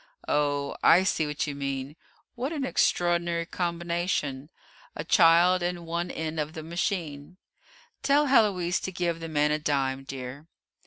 Oh, I see what you mean; what an extraordinary combination a child in one end of the machine! Tell Héloise to give the man a dime, dear."